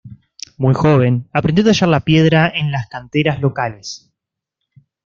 Muy joven, aprendió a tallar la piedra en las canteras locales.